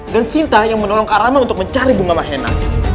dan sinta yang menolong kak rama untuk mencari bunga mahena